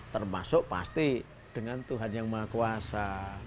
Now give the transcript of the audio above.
termasuk pasti dengan tuhan yang maha kuasa